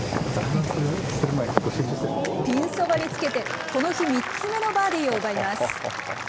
ピンそばにつけて、この日３つ目のバーディーを奪います。